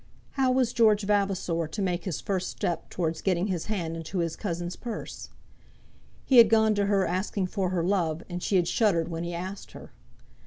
How was George Vavasor to make his first step towards getting his hand into his cousin's purse? He had gone to her asking for her love, and she had shuddered when he asked her.